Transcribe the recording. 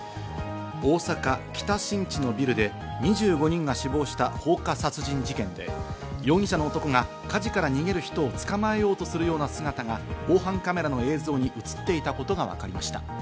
大阪・北新地のビルで２５人が死亡した放火殺人事件で、容疑者の男が火事から逃げる人を捕まえようとするような姿が防犯カメラの映像に映っていたことがわかりました。